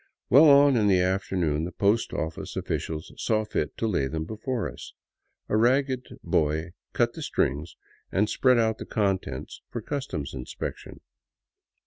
Well on in the afternoon the post oflice officials saw fit to lay them before us. A ragged boy cut the strings and spread out the con tents for customs inspection.